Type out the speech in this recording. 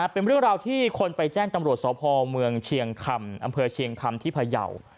เป็นเรื่องราวที่คนไปแจ้งตำรวจสพเมืองเชียงคำอำเภอเชียงคำที่พยาว